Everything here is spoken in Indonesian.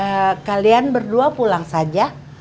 ya kalian berdua pulang saja